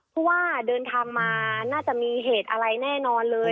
เพราะว่าเดินทางมาน่าจะมีเหตุอะไรแน่นอนเลย